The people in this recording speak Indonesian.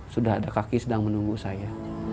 sudah ada kaki sedang menunggu saya